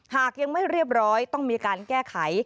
หากยังไม่เรียบร้อยต้องมีการแก้ไข